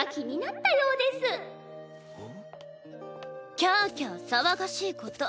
キャキャ騒がしいこと。